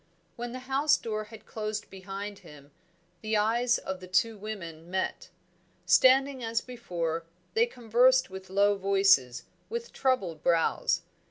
When the house door had closed behind him, the eyes of the two women met. Standing as before, they conversed with low voices, with troubled brows.